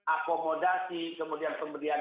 akomodasi kemudian pemberian